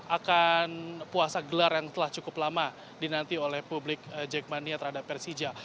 akan puasa gelar yang telah cukup lama dinanti oleh publik jackmania terhadap persija